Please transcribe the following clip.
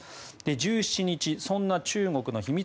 １７日、そんな中国の秘密